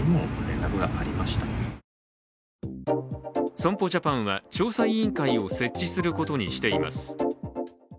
損保ジャパンは調査委員会を設置することにしています。